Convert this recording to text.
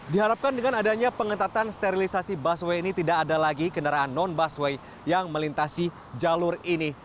diharapkan dengan adanya pengetatan sterilisasi busway ini tidak ada lagi kendaraan non busway yang melintasi jalur ini